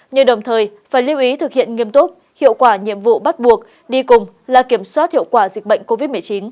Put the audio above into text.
nhưng đồng thời phải lưu ý thực hiện nghiêm túc hiệu quả nhiệm vụ bắt buộc đi cùng là kiểm soát hiệu quả dịch bệnh covid một mươi chín